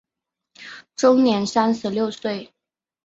终年三十六岁。